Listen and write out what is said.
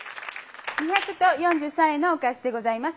２００と４３円のお返しでございます。